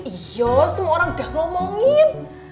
iya semua orang udah ngomongin